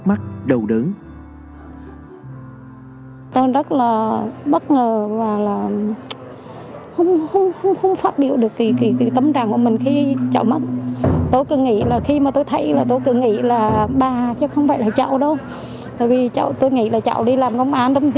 mục tiêu của chúng ta là kiểm chế phát hiện